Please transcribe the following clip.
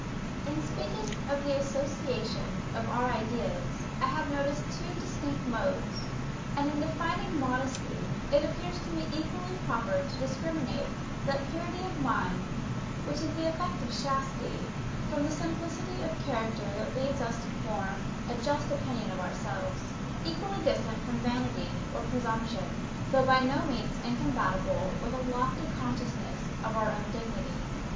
In speaking of the association of our ideas, I have noticed two distinct modes; and in defining modesty, it appears to me equally proper to discriminate that purity of mind, which is the effect of chastity, from a simplicity of character that leads us to form a just opinion of ourselves, equally distant from vanity or presumption, though by no means incompatible with a lofty consciousness of our own dignity.